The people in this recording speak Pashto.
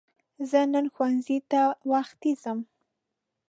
زه نن ښوونځی ته وختی ځم